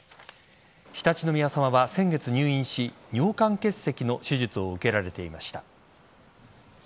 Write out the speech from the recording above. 常陸宮さまは先月入院し尿管結石の手術を受けられていました。